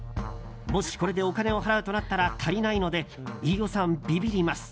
もし、これでお金を払うとなったら足りないので飯尾さん、ビビります。